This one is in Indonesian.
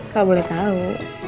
kau boleh tahu